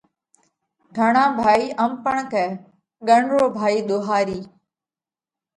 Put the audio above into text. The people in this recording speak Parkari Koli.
گھڻا ڀائِي ام پڻ ڪئه: ڳڻ رو ڀائِي ۮوهارِي۔